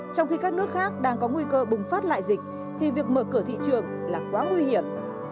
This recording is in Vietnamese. trong khi các nước khác đang có nguy cơ bùng phát lại dịch thì việc mở cửa thị trường là quá nguy hiểm